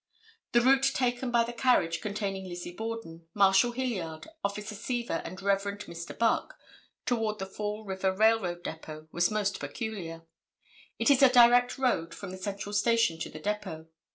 The route taken by the carriage containing Lizzie Borden, Marshal Hilliard, Officer Seaver and Rev. Mr. Buck toward the Fall River railroad depot was most peculiar. It is a direct road from the Central Station to the depot.